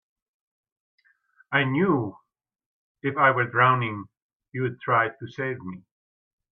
I knew if I were drowning you'd try to save me.